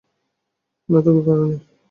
না, তুমি পারোনি।